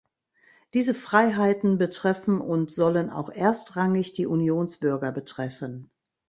Diese Freiheiten betreffen und sollen auch erstrangig die Unionsbürger betreffen.